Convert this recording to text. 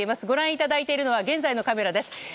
ご覧いただいているのは現在のカメラです。